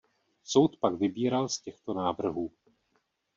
Soud pak vybíral z těchto návrhů.